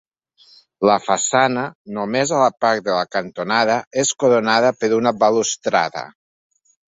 La façana, només a la part de la cantonada, és coronada per una balustrada.